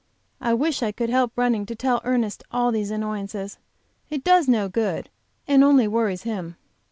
I wish I could help running to tell Ernest all these annoyances. It does no good, and only worries him.